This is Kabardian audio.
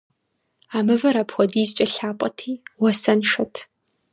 А мывэр апхуэдизкӀэ лъапӀэти, уасэншэт.